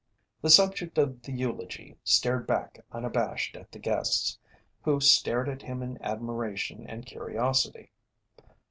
The subject of the eulogy stared back unabashed at the guests, who stared at him in admiration and curiosity.